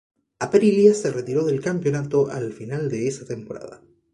Aprilia se retiró del campeonato al final de esa temporada.